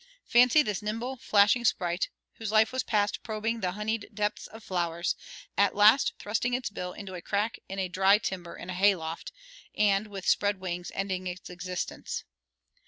Fancy this nimble, flashing sprite, whose life was passed probing the honeyed depths of flowers, at last thrusting its bill into a crack in a dry timber in a hayloft, and, with spread wings, ending its existence.